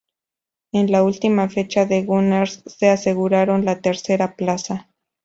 En la última fecha, los 'Gunners' se aseguraron la tercera plaza.